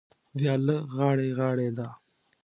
وياله غاړې غاړې ده.